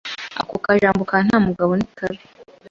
ako ka jambo ka nta mugabo nikabi